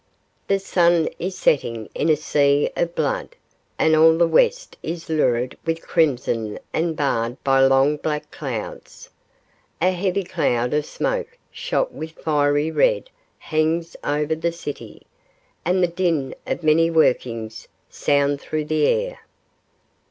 The sun is setting in a sea of blood, and all the west is lurid with crimson and barred by long black clouds. A heavy cloud of smoke shot with fiery red hangs over the city, and the din of many workings sound through the air.